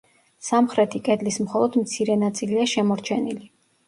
სამხრეთი კედლის მხოლოდ მცირე ნაწილია შემორჩენილი.